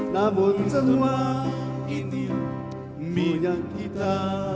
namun setelah ini minyak kita